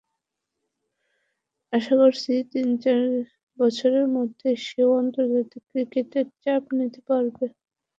আশা করছি তিন-চার বছরের মধ্যে সে-ও আন্তর্জাতিক ক্রিকেটের চাপ নিতে পারবে।